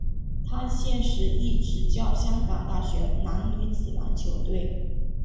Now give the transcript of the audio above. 他现时亦执教香港大学男女子篮球队。